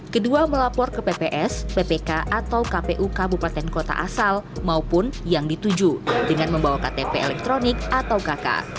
kedua melapor ke pps ppk atau kpu kabupaten kota asal maupun yang dituju dengan membawa ktp elektronik atau kk